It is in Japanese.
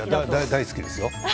大好きです。